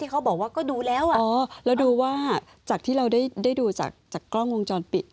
ที่เขาบอกว่าก็ดูแล้วเราดูว่าจากที่เราได้ดูจากกล้องวงจรปิด